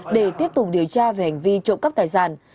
để tiếp tục điều tra về hành vi trộm cắp tài sản